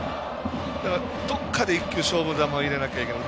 どこかで１回勝負球を入れないといけない。